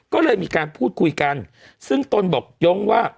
ก็เลยมีการพูดคุยกันซึ่งตนบอกย้งว่า